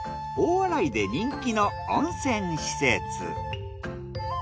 大洗で人気の温泉施設。